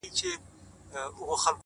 • نن سبا به ګورو عدالت د نړۍ څه وايي ,